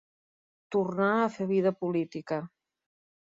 Tornà a fer vida política.